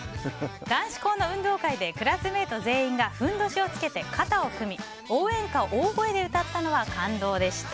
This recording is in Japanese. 男子校の運動会でクラスメート全員がふんどしをつけて肩を組み応援歌を大声で歌ったのは感動でした。